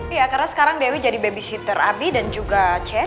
iya karena sekarang dewi jadi babysitter abi dan juga cer